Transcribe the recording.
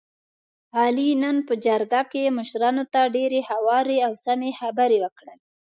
علي نن په جرګه کې مشرانو ته ډېرې هوارې او سمې خبرې وکړلې.